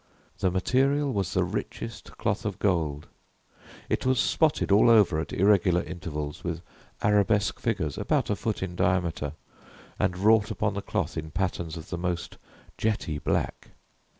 The material was the richest cloth of gold. It was spotted all over, at irregular intervals, with arabesque figures, about a foot in diameter, and wrought upon the cloth in patterns of the most jetty black.